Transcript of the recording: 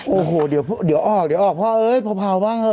โอ้โหเดี๋ยวออกเดี๋ยวออกพ่อเอ้ยเผาบ้างเถ